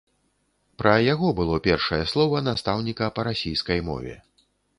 Пра яго было першае слова настаўніка па расійскай мове.